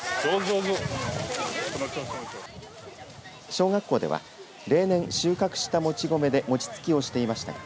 小学校では例年、収穫したもち米で餅つきをしていましたが